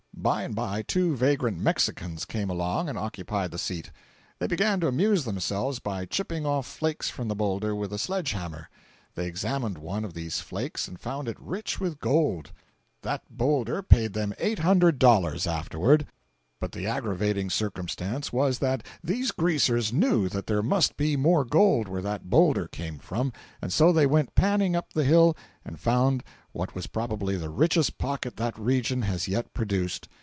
By and by two vagrant Mexicans came along and occupied the seat. They began to amuse themselves by chipping off flakes from the boulder with a sledge hammer. They examined one of these flakes and found it rich with gold. That boulder paid them $800 afterward. But the aggravating circumstance was that these "Greasers" knew that there must be more gold where that boulder came from, and so they went panning up the hill and found what was probably the richest pocket that region has yet produced.